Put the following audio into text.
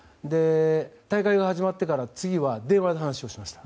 大会が始まってから次は電話で話をしました。